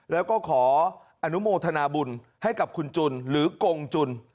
แล้วก็ขออนุโมทนาบุญให้กับคุณจุนหรือกงจุน